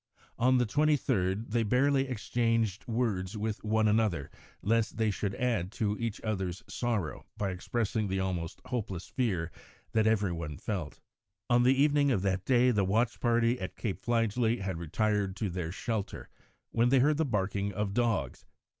On the 23rd they barely exchanged words with one another, lest they should add to each other's sorrow by expressing the almost hopeless fear that every one felt. On the evening of that day the watch party at Cape Fligely had retired to their shelter when they heard the barking of dogs.